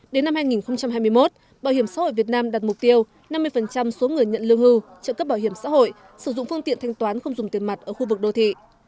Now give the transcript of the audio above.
đến năm hai nghìn hai mươi một bảo hiểm xã hội việt nam đặt mục tiêu năm mươi số người nhận lương hưu trợ cấp bảo hiểm xã hội sử dụng phương tiện thanh toán không dùng tiền mặt ở khu vực đô thị